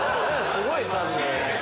すごい数。